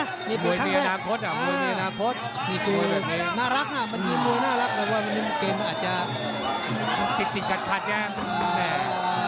มันมีถึงครั้งแรกอ๋อมีตัวนี้น่ารักฮะมันมีมัวน่ารักแต่ว่าเมื่อกี้มันอาจจะติดติดคัดคัดใช่ไหม